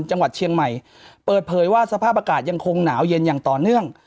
จังหวัดเชียงใหม่เปิดเผยว่าสภาพอากาศยังคงหนาวเย็นอย่างต่อเนื่อง